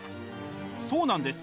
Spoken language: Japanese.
そうなんです。